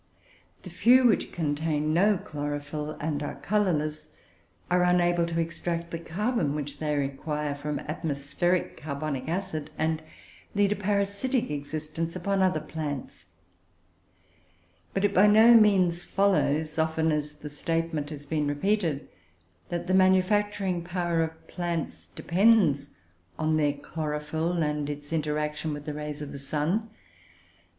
The few which contain no chlorophyll and are colourless, are unable to extract the carbon which they require from atmospheric carbonic acid, and lead a parasitic existence upon other plants; but it by no means follows, often as the statement has been repeated, that the manufacturing power of plants depends on their chlorophyll, and its interaction with the rays of the sun.